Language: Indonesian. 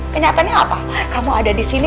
kenyataannya apa kamu ada di sini